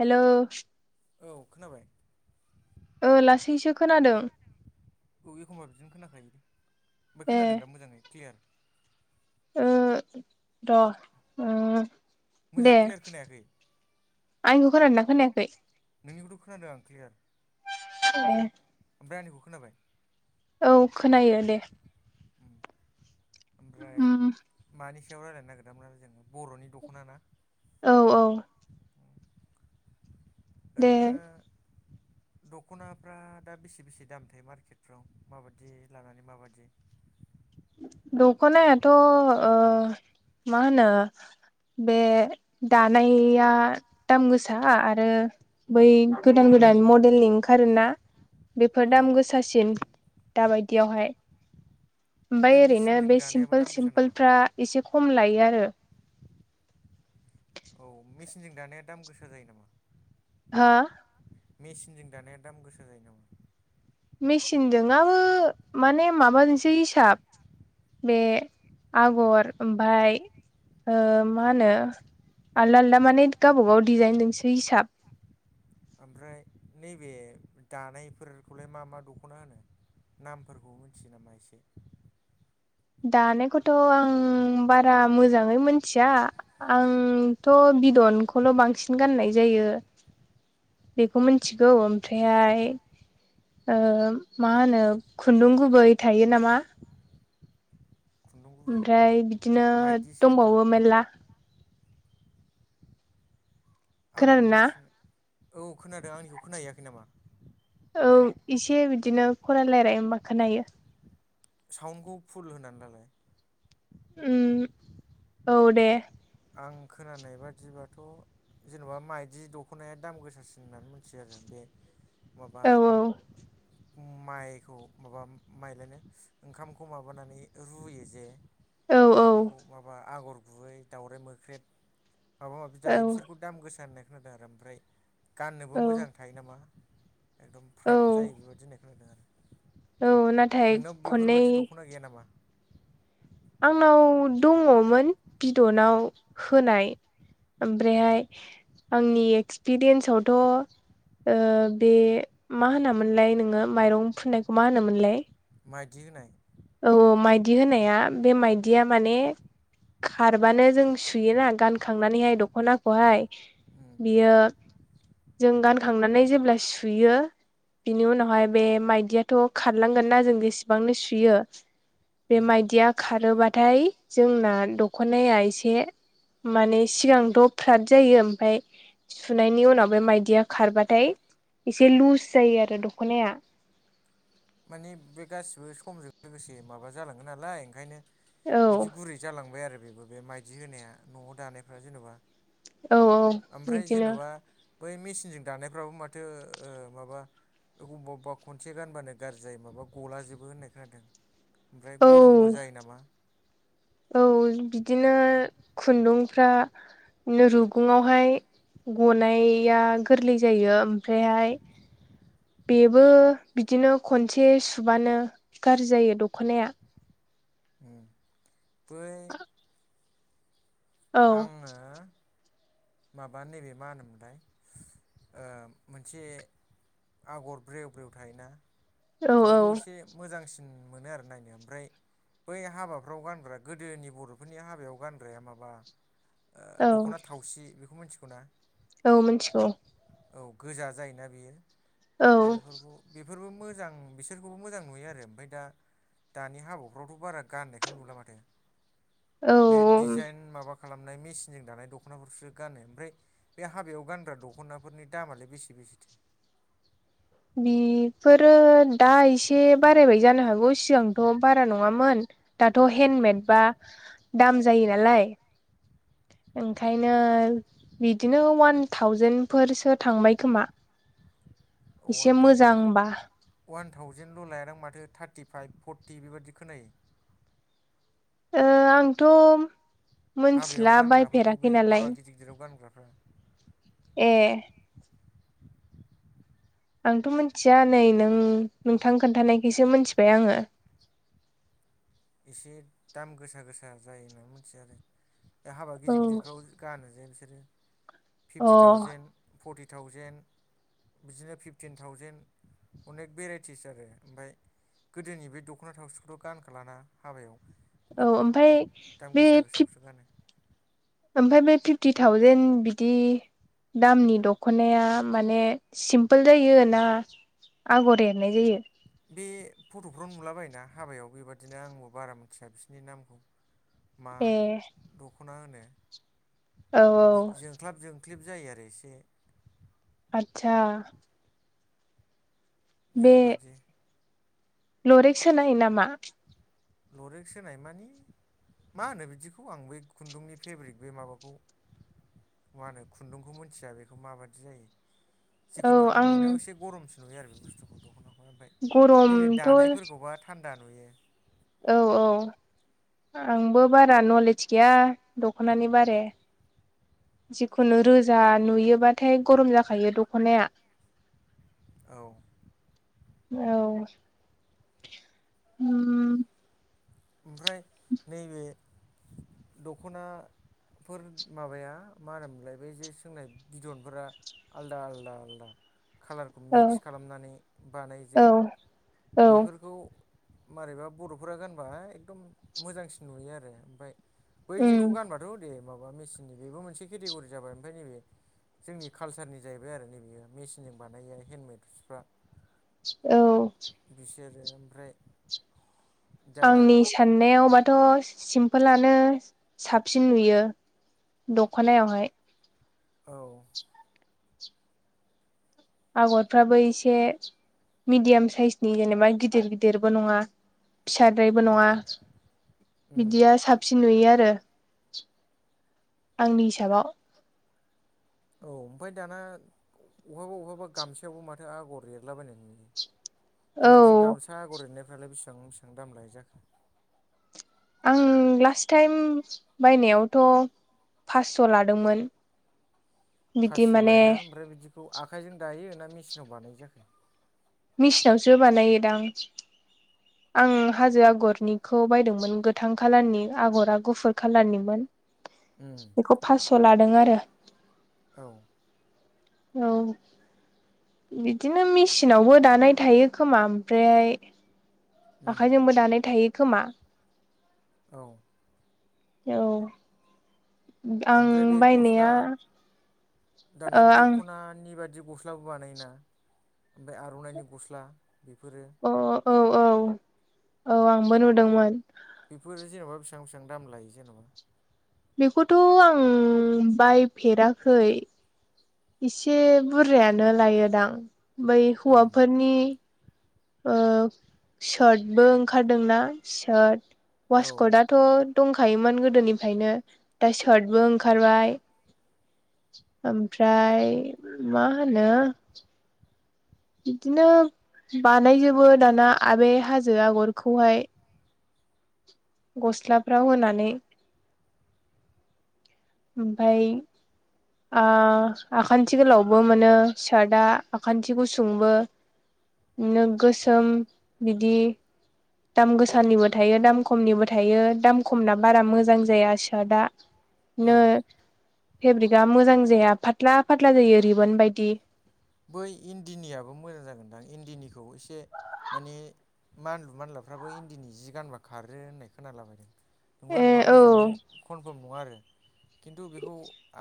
Hello. औ खोनाबाय? ओ लासैसो खोनादों। औ एखमबा बिदिनो खोनाखायोे ओमफ्राय ए खोनादों दा मोजाङै क्लियार? ओ र' ओ मोजां दे। क्लियार खोनायाखै आंनिखौ खोनादोंना खोनायाखै? नोंनिखौथ' खोनादों आं क्लियार [unintelligible] ए ओमफ्राय आंनिखौ खोनाबाय? औ खोनायो दे। उम ओमफ्राय उम मानि सायाव रायलायनो नागिरदोंमोन आरो जोङो बर'नि दख'ना ना? औ औ दे ओरैनो दख'नाफ्रा दा बेसे बेसे दाम थाय मार्केटफ्राव माबादि लानानै माबादि? दखनायाथ' ओ मा होनो बे दानाइया दाम गोसा आरो बै गोदान गोदान मडेलनि ओंखारोना बेफोर औ दाम गोसासि सिम दाबादियावहाय। बै ओमफाय ओरैनो मेचिनजों बे दानायाबो सिमपोल दाम गोसा नामा सिमपोलफ्रा एसे खम लायो आरो। औ मेसिनजों दानाया दाम गोसा जायो नामा? हो? मेसिनजों दानाया दाम गोसा जायो नामा? मेसिनजों आबो माने माबाजोंसो हिसाब बे आगर ओमफाय ओ मा होनो आलदा आलदा माने गावबागाव डिजाइन जोंसो हिसाब। ओमफ्राय नैबे दानायफोरखौलाय मा मा दख'ना होनो? नामफोरखौ मोनथियो नामा एसे? दानायखौथ' आं बारा मोजाङै मोनथिया। आंथ' बिदनखौल' बांसिन गाननाय जायो। बेखौ मोनथिगौ ओमफ्रायहाय ओ मा होनो खुन्दुं गुबै थायो नामा। खुन्दुं गुबै ओमफ्राय बिदिनो माइदिसो होना दंबावो होमबा मेरला। आं खोनादों ना मोनथिनो औ खोनादों आंनिखौ खोनाहैयाखै नामा? औ इसे बिदिनो खरा लायराय होमबा खोनायो। साउन्डखौ फुल होनानै लालाय। उम औ दे। आं खोनानाय बादिबाथ' जेन'बा माइदि दख'नाया दाम गोसासिन होननानै मोनथियो आरो बे माबा औ माइखौ माबा माइलायनो ओंखामखौ माबानानै रुयो जे। औ ओमफ्राय बेखौ माबा आगर गुबै दावराइ मोख्रेब माबा माबि औ दायो बिसोरखौ दाम गोसा होननाय खोनादों आरो ओमफ्राय औ गाननोबो मोजां थायो नामा? एकदम फ्राद जायो औ बेबायदि होननाय खोनादों आरो। औ नाथाय नोंनाव खननै बेफोरबादि दख'ना गैया नामा? आंनाव दङमोन बिदनाव होनाय ओमफ्रायहाय आंनि एक्सपिरियेन्सआवथ' ओ बे मा होनामोनलाय नोङो माइरं फुननायखौ मा होनामोनलाय? माइदि होनाय। औ औ माइदि होनाया बे माइदिया माने खारबानो जों सुयोना गानखांनानैहाय दख'नाखौहाय उम बियो जों गानखांनानै जेब्ला सुयो बिनि उनावहाय बे माइदियाथ' खारलांगोन ना जों बेसेबांनो सुयो। बे उम माइदिया खारोबाथाय जोंना दख'नाया एसे माने सिगांथ' फ्रात जायो ओमफ्राय सुनायनि उनाव बे माइदिया खारबाथाय एसे लुज जायो आरो दखनाया माने बे गासिबो समजों लोगोसे माबा जालाङो नालाय ओंखायनो औ बिदि गुरै जालांबाय आरो बेबो बे माइदि होनाया न'आव दानायफ्रा जेन'बा। औ आमफ्राय बिदिनो जेन'बा बै मेसिनजों दानायफ्राबो माथो ओ माबा अबेबा अबेबा खनसे गानबानो गारजि जायो माबा गलाजोबो होननाय खोनादों ओमफ्राय औ गरमबो जायो नामा? औ बिदिनो खुन्दुंफ्रा रुगुङावहाय गनाया गोरलै जायो। ओमफ्रायहाय बेबो बिदिनो खनसे सुबानो गाज्रि जायो दख'नाया। एह बै औ आङो माबानो नैबे मा होनोमोनलाय मोनसे आगर ब्रेव ब्रेव थायोना औ औ बिदिखौ एसे मोजांसिन मोनो आरो नायनो ओमफ्राय बै हाबाफ्राव गानग्रा गोदोनि बर'फोरनि हाबायाव गानग्राया माबा औ दख'ना थावसि बेखौ मिथिगौना? औ मिथिगौ। औ गोजा जायोना बेयो औ दा बेफोरखौ बेफोरबो मोजां बिसोरखौबो मोजां नुयो आरो ओमफ्राय दा दानि हाबाफ्रावथ' बारा गाननायखौ नुला माथो। औ बे डिजाइन माबा खालामनाय मेसिनजों दानाय दख'नाफोरसो गानो ओमफ्राय बे हाबायाव गानग्रा दख'नाफोरनि दामालाय बेसे बेसेथो बिफोरो दा एसे बारायबाय जानो हागौ सिगांथ' बारा नङामोन। दाथ' हेन्दमेडबा दाम जायो नालाय। ओंखायनो बिदिनो वान थावजेनफोरसो थांबाय खोमा। एसे अवान थाव मोजांबा अवान थावजेनल' लायादां माथो थार्टिफाइभ फर्टि बेबायादि खोनायो। ओ आंथ' हाबायाव मोनथिला गानग्राफोरखौ बायफेराखै बै नालाय हाबा गिदिर गिदिराव गानग्राफ्रा एह। आंथ' मिथिया नै नों नोंथां खोन्थानायखायसो मिथिबाय आङो। एसे दाम गोसा गोसा जायो होननानै मिथियो आरो दा हाबा अ गिदिर गिदिरफ्राव गानो जे बिसोरो औ फिफ्टि थावजेेन फर्टि थावजेेन बिदिनो फिफटिन थावजेन अनेक भेराइटिस आरो ओमफ्राय गोदोनि बे दख'ना थावसिखौथ' गानखालाना हाबायाव। एकदम ओमफ्राय दाम गोसा गोसाखौसो गानो। ओमफफ्राय बे फिफ्टि थावजेेन बिदि दामनि दख'नाया माने सिम्पोल जायोना आगर एरनाय जायो। बे फट'फ्राव नुलाबाय ना हाबायाव बेबादिनो आंबो बारा मिथिया बिसोरनि नामखौ मा ए दख'ना होनो औ औ जों ख्लाब जोंख्लिब जायो आरो एसे आतसा। बेबादि लरिक्स होनाय नामा? लरेक्स होनाय माने मा होनो बिदिखौ आं बै खुन्दुंनि फेब्रिक बे माबाखौ मा होनो खुन्दुंखौ मिथिया बेखौ माबादि जायो। जिखुनु आं नुनायाव एसे गरमसो नुयो आरो बे बुस्थुखौ दख'नाखौ ओमफ्राय नैबे गरमथ' दानायफोरखौबा थान्दा नुयो। औ औ आंबो बारा नलेज गैया। दख'नानि बारे जिखुनु रोजा नुयोबाथाय गरम जाखायो दख'नाया। औ। औ। म ओमफ्राय नैबे दख'ना फोर माबाया मा होनोमोनलायबाय जे सोंनाय बिदनफोरा आलदा आलदा आलदा खालार औ मिक्स खालामनानै बानाय जे औ औ बेफोरखौ मारैबा बर'फोरा गानबा एकदम मोजांसिन नुयो आरो ओमफफ्राय बै जिखौ उम गानबाथ' दे माबा मेचननि बेबो मोनसे केटेगरि जाबाय ओमफ्राय नैबे जोंनि कालसारनि जाहैबाय आरो नैबयो मेसिनजों बानायो हेनदमेडसफ्रा औ। बिसोरो ओमफ्राय दा आंनि साननायावबाथ' सिमपोलानो साबसिन नुयो दख'नायावहाय औ आगरफ्राबो एसे मिडियाम साइसनि जेनेबा गिदिर गिदिरबो नंङा। फिसाद्रायबो नङा उम बिदिया साब फिन नुयो आरो आंनि हिसाबाव औ ओमफ्राय दाना बहाबा बहाबा गामसायावबो माथो आगर एरलाबायनाय नुयो बेबायदि औ गामसा आगर एरनायफ्रालाय बेसेबां बेसेबां दाम लायो जाखो आं लास्ट टाइम बायनायावथ' फासस' लादोंमोन बिदि फास्स' माने लायनाा ओमफ्राय बिदिखौ आखाइजों दायो ना मेसिनाव बानाय जाखो मेसििनावसो बानायोदांं आं हाजो आगरनिखौ बायदोंमोन गोथां खालारनि आगरा गुफुर खाालारनिमोन [inaudible] बेखौ फासस' लादों आरो। औ। औ बिदिनो मेचिनावबो दानाय थायो खोमा ओमफ्राय उम आखाइजोंबो दानाय थायो खोमा औ। औ आं ओमफ्राय बे गस्ला बायनाया दाना ओ आं दख'नानि बाददि गस्ला गस्लाबो बानायोना ओमफ्राय आर'नाइनि गस्ला बेफोरो अ औ औ औ आंबो नुदोंमोन बेफोरो जेनेबा बेसिबां बेसेबां दाम लायो जेनेबा बेखौथ' आं बायफेराखै इसे बुरजायानो लायोदां बै हौवाफोरनि सार्टबो ओंखारदोंना सार्ट औ वासकट थ' दंखायोमोन गोदोनिफ्रायनो दा सार्टबो ओंखारबाय ओमफ्राय मा होनो बिदिनो बानायजोबो दाना आबै हाजो आगरखौहाय गस्लाफ्राव होनानै ओमफ्राय ओ आखान्थि गोलावबो मोनो सार्टआ आखान्थि गुसुंबो बिदिनो गोसोम बिदि दाम गोसानिबो थायो दाम खमनिबो थायो दाम खमना बारा मोजां जाया। सोदा औ नो फेब्रिकआ मोजां जाया फाथ्ला फाथ्ला जायो रिबन बायदि बै इन्दिनियाबो मोजां जागोनदां इन्दिनिखौ एसे माने मानलु मानलाफ्राबो इन्दिनि जि गानबा खारो होननाय खोनालाबायदों। नंबगौना औ नङा मोजाङै कनफार्म नङा आरो खिन्थु बेखौ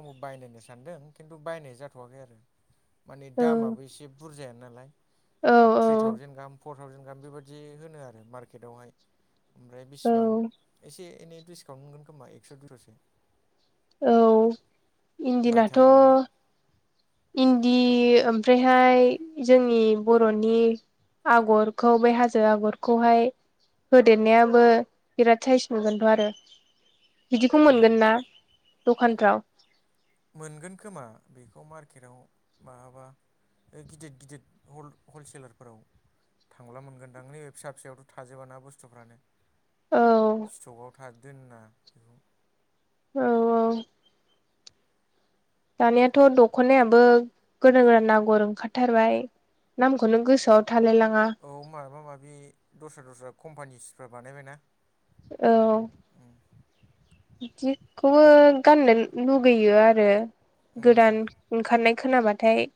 आंबो बायनायनो सानदों खिन्थु बायनाय जाथ'वाखै आरो माने औ दामाबो एसे बुरजाय नालाय औ थ्रि थावजेनन गाहाम फर थावजेन गाहाम बेबायदि होनो आरो मार्केटआवहाय ओमफ्राय औ बेसेबां एसे एनै डिसकाउन्ट मोनगोन खोमा एक्स' दुइस'सो औ इन्दिनाथ' बायथारब्लालाय इन्दि ओमफ्रायहाय जोंनि बर'नि आगरखौ बे हाजो आगरखौहाय होदेरनायाबो बिराद साइज नुगोनथ' आरो बिदिखौ उम मोनगोन ना दखानफ्राव मोनगोन खोमा बेखौ मार्केटाव माबाबा ओ गिदिर गिदिद हल-हलसेलारफोराव थांब्ला मोनगोनदां नैबे फिसा फिसायावथ' थाजोबा बुस्थुफ्रानो औ स्टकआव थ दोना बेखौ औ औ दानियाथ' दख'नायाबो गोदान गोदान आगर ओंखारथारबाय नामखौनो गोसोआव थालाय लाङा औ माबा माबि दस्रा दस्रा कम्पानिसफोर बानायबाय ना औ बिदिखौबो गाननो लुुबैयो आरो गोदान उम ओंखारनाय खोनाबाथाय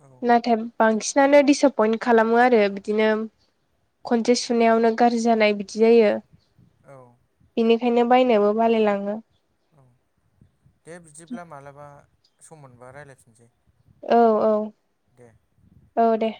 औ नाथाय बांसिनानो दिडिसपइन्ट खालामो आरो बिदिनो खनसे सुनायावनो गाज्रि जानाय बिदि जायो। औ बिनिखायनो बायनोबो बालायलाङो औ दे बिदिब्ला मालाबा सम मोनबा रायज्लायफिनसै औ औ औ दे